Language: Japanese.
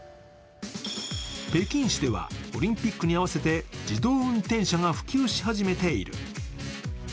北京市ではオリンピックに合わせて自動運転車が普及し始めている。